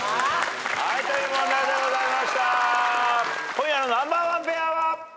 今夜のナンバーワンペアは。